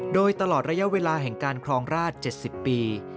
โดยตลอดระยะเวลาแห่งการครองราช๗๐ปี